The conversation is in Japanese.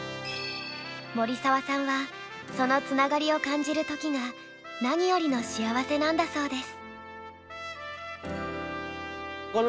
森澤さんはそのつながりを感じるときが何よりの幸せなんだそうです。